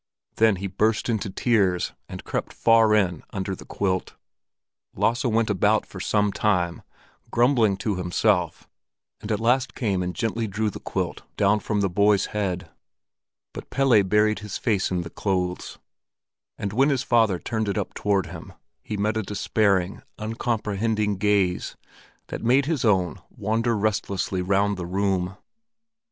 Then he burst into tears, and crept far in under the quilt. Lasse went about for some time, grumbling to himself, and at last came and gently drew the quilt down from the boy's head. But Pelle buried his face in the clothes, and when his father turned it up toward him, he met a despairing, uncomprehending gaze that made his own wander restlessly round the room.